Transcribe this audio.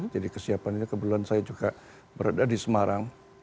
jadi kesiapan ini kebetulan saya juga berada di semarang